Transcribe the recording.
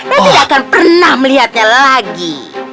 dan tidak akan pernah melihatnya lagi